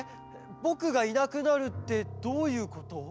ぼくがいなくなるってどういうこと？